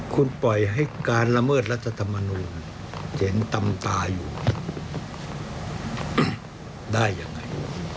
คุณปล่อยให้การละเมิดรัฐธรรมนูลเห็นตำตาอยู่ได้ยังไง